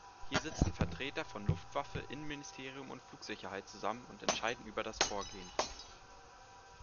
Hier sitzen Vertreter von Luftwaffe, Innenministerium und Flugsicherheit zusammen und entscheiden über das Vorgehen.